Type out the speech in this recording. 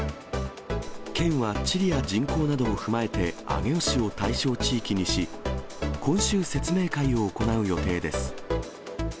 県は、地理や人口などを踏まえて、上尾市を対象地域にし、今週、説明会を行う予定です。